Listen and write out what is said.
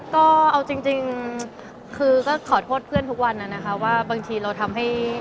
ก็เอาจริงคือก็ขอโทษเพื่อนทุกวันนะคะว่าบางทีเราทำให้